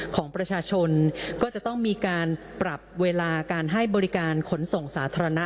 ก็จะต้องมีการปรับเวลาการให้บริการขนส่งสาธารณะ